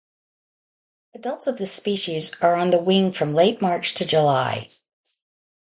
Adults of this species are on the wing from late March to July.